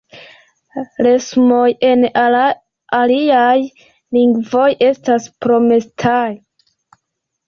Resumoj en aliaj lingvoj estas promesitaj.